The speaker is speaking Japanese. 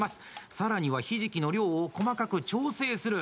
更にはひじきの量を細かく調整する。